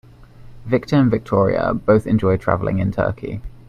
Victor and Victoria both enjoy traveling in Turkey.